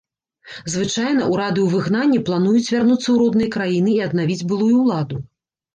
Звычайна ўрады ў выгнанні плануюць вярнуцца ў родныя краіны і аднавіць былую ўладу.